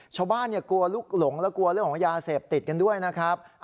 กลัวลุกหลงและกลัวเรื่องของยาเสพติดกันด้วยนะครับ